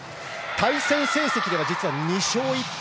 対戦成績では実は２勝１敗。